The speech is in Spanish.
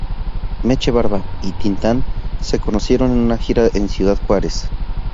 Meche Barba y Tin Tan se conocieron en una gira en Ciudad Juárez.